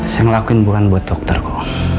saya ngelakuin bukan buat dokterku